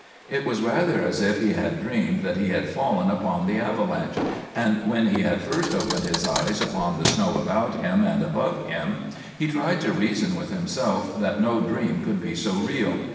It was rather as if he had dreamed that he had fallen upon the avalanche, and when he had first opened his eyes upon the snow about him and above him, he tried to reason with himself that no dream could be so real.